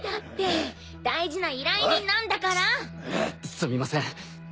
すみません。